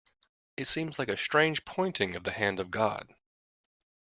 It seems like a strange pointing of the hand of God.